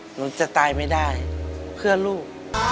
หนูจะตายไม่ได้เพื่อลูก